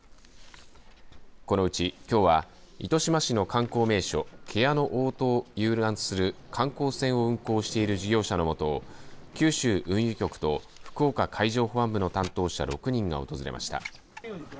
このうち、きょうは糸島市の観光名所、芥屋の大門を遊覧する観光船を運航している事業者のもとを九州運輸局と福岡海上保安部の担当者６人が訪れました。